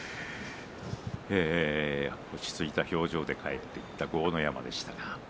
落ち着いた表情で帰っていった豪ノ山でした。